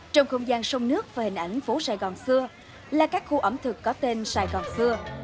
trong không gian sông nước và hình ảnh phố sài gòn xưa là các khu ẩm thực có tên sài gòn xưa